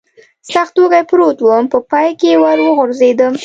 سخت وږی پروت ووم، په پای کې ور وغورځېدم.